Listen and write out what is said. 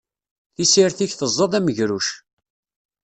Tissirt-ik teẓẓad amegruc.